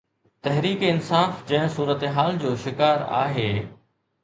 تحريڪ انصاف جنهن صورتحال جو شڪار آهي.